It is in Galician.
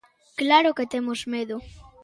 ¡Claro que temos medo!